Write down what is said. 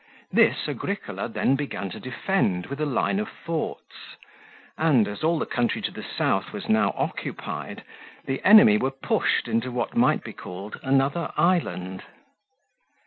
This Agricola then began to defend with a line of forts, and, as all the country to the south was now occupied, the enemy were pushed into what might be called another island.